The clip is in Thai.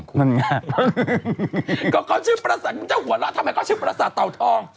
นั่นไงก็เขาชื่อปราศาสตร์ชั่วหัวละทำไมเขาชื่อปราศาสตร์เต่าทอง